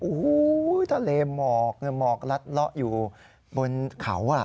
โอ้โหทะเลหมอกหมอกลัดเลาะอยู่บนเขา